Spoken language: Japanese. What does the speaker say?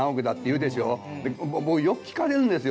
僕よく聞かれるんですよ。